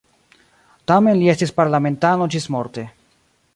Tamen li estis parlamentano ĝismorte.